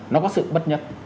nó có sự bất nhất